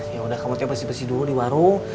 yaudah kamu coba si besi dulu di warung